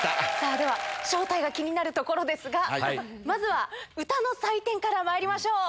では、正体が気になるところですが、まずは歌の採点からまいりましょう。